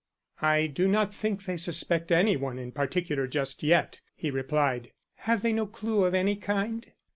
"I do not think they suspect any one in particular just yet," he replied. "Have they no clue of any kind?"